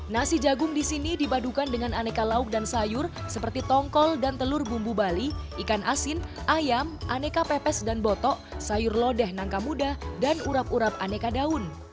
nasi jagung di sini dibadukan dengan aneka lauk dan sayur seperti tongkol dan telur bumbu bali ikan asin ayam aneka pepes dan botok sayur lodeh nangka muda dan urap urap aneka daun